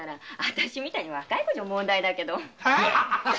私みたい若い子なら問題だけど。